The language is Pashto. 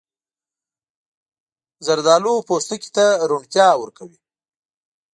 زردالو پوستکي ته روڼتیا ورکوي.